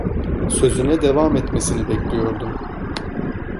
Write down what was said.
Sözüne devam etmesini bekliyordum.